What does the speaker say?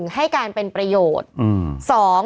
ให้การเป็นประโยชน์